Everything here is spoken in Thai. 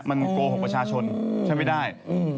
มันโกหกประชาชนใช้ไม่ได้